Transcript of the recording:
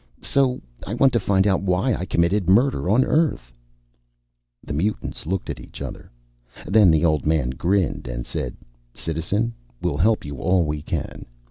So I want to find out why I committed murder on Earth." The mutants looked at each other. Then the old man grinned and said, "Citizen, we'll help you all we can.